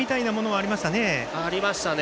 ありましたね。